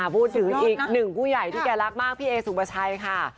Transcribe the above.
พูดถึงอีกหนึ่งผู้ใหญ่ที่แกรักมากพี่เอสุปชัยค่ะ